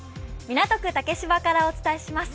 港区竹芝からお伝えします。